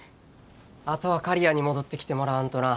あとは刈谷に戻ってきてもらわんとな。